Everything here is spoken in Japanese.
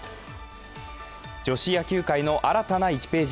女子野球界の新たな１ページ。